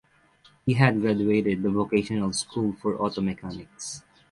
He had graduated the vocational school for auto mechanics.